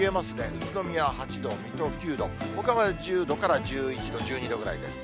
宇都宮８度、水戸９度、ほかは１０度から１１度、１２度ぐらいです。